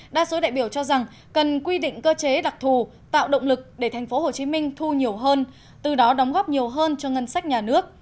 đa số đại biểu cho rằng cần quy định cơ chế đặc thù tạo động lực để tp hcm thu nhiều hơn từ đó đóng góp nhiều hơn cho ngân sách nhà nước